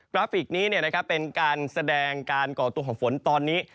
ราฟิกนี้เป็นการแสดงการก่อตัวของฝนตอนนี้